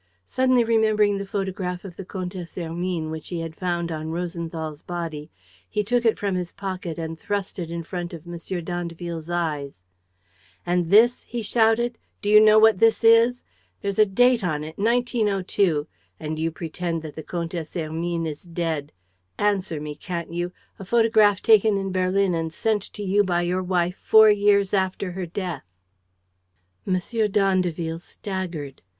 Suddenly remembering the photograph of the Comtesse Hermine which he had found on Rosenthal's body, he took it from his pocket and thrust it in front of M. d'Andeville's eyes: "And this?" he shouted. "Do you know what this is? ... There's a date on it, 1902, and you pretend that the Comtesse Hermine is dead! ... Answer me, can't you? A photograph taken in Berlin and sent to you by your wife four years after her death!" M. d'Andeville staggered.